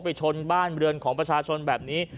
ไปชนบ้านเรือนของประชาชนแบบนี้